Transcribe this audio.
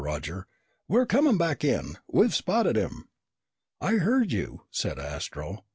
_"] "Astro," Roger called, "we're coming back in. We've spotted him." "I heard you!" said Astro.